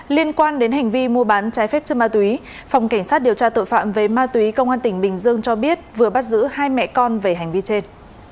liên quan đến hành vi mua bán trái phép chân ma túy phòng cảnh sát điều tra tội phạm về ma túy công an tỉnh bình dương cho biết vừa bắt giữ hai mẹ con về hành vi trên